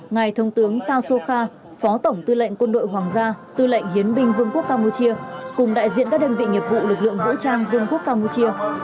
ngài thông tướng sao sokha phó tổng tư lệnh quân đội hoàng gia tư lệnh hiến binh vương quốc campuchia cùng đại diện các đơn vị nghiệp vụ lực lượng vũ trang vương quốc campuchia